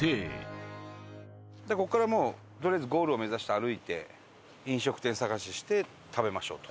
ここからもうとりあえずゴールを目指して歩いて飲食店探しして食べましょうと。